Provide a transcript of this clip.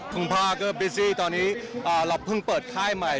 คุณพ่อก็บิซี่ตอนนี้เราเพิ่งเปิดค่ายใหม่